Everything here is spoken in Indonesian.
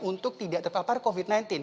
untuk tidak terpapar covid sembilan belas